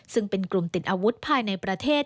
ซึ่งเป็นกลุ่มติดอาวุธภายในประเทศ